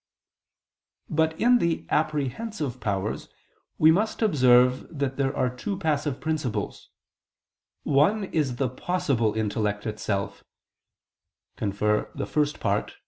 But in the apprehensive powers, we must observe that there are two passive principles: one is the possible (See First Part, Q.